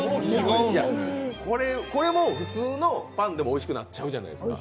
これ普通のパンでもおいしくなっちゃうじゃないですか。